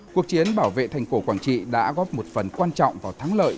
cuộc chiến bảo vệ thành cổ quảng trị đã góp một phần quan trọng vào thắng lợi